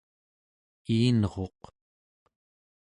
iinruq